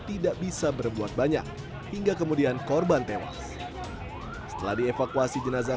tidak bisa berbuat banyak hingga kemudian korban tewas setelah dievakuasi jenazah